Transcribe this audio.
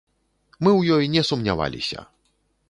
Мы ў ёй не сумняваліся.